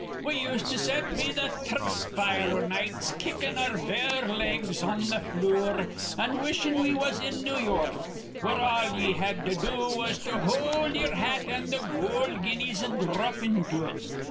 We used to set be th' tur rf fire o' nights, kickin' our bare legs on th' flure an' wishin' we was in New York, where all ye had to do was to hold ye'er hat an' th' goold guineas'd dhrop into it.